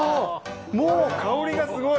もう香りがすごい。